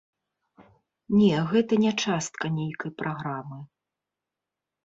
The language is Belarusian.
Не, гэта не частка нейкай праграмы.